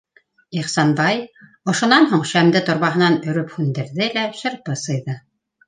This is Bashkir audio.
Ихсанбай ошонан һуң шәмде торбаһынан өрөп һүндерҙе лә шырпы сыйҙы.